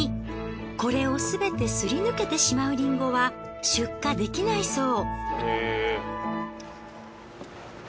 これをすべてすり抜けてしまうりんごは出荷できないそう。